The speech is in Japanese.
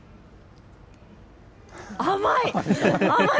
甘い！